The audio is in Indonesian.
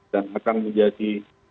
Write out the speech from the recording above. dan akan menjadi